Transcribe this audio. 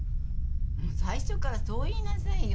もう最初からそう言いなさいよ。